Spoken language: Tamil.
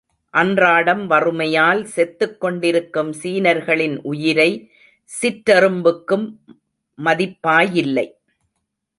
அன்றாடம் வறுமையால் செத்துக் கொண்டிருக்கும் சீனர்களின் உயிரை சிற்றெரும்புக்கும் மதிப்பாயில்லை.